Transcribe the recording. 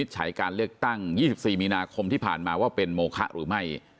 ฉัยการเลือกตั้ง๒๔มีนาคมที่ผ่านมาว่าเป็นโมคะหรือไม่